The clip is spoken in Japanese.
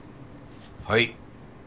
はい。